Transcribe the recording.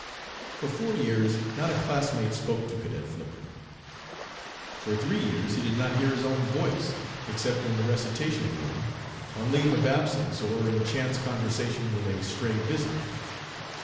For four years not a classmate spoke to Cadet Flipper; for three years he did not hear his own voice, except in the recitation room, on leave of absence, or in chance conversation with a stray visitor.